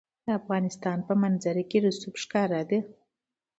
د افغانستان په منظره کې رسوب ښکاره ده.